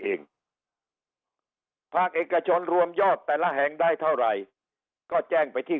เองภาคเอกชนรวมยอดแต่ละแห่งได้เท่าไหร่ก็แจ้งไปที่